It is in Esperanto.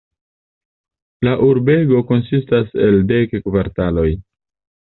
La urbego konsistas el dek kvartaloj.